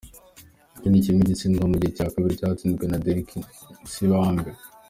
Ikindi kimwe gitsindwa mu gice cya kabiri cyatsinzwe na Deriki Nsibambi.